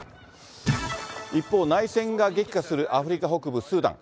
一方、内戦が激化するアフリカ北部、スーダン。